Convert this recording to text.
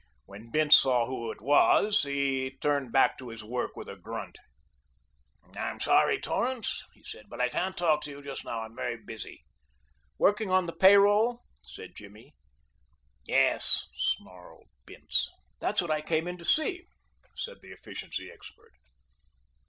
When Bince saw who it was he turned back to his work with a grunt. "I am sorry, Torrance," he said, "but I can't talk with you just now. I'm very busy." "Working on the pay roll?" said Jimmy. "Yes," snarled Bince. "That's what I came in to see," said the efficiency expert.